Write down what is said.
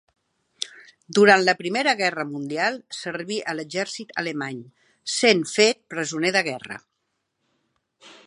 Durant la Primera Guerra Mundial serví a l'exèrcit alemany, sent fet presoner de guerra.